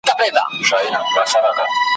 موږ له سدیو ګمراهان یو اشنا نه سمیږو `